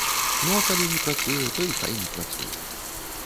Ну а калі не працуе, то і хай не працуе.